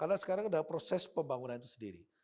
karena sekarang sudah proses pembangunan itu sendiri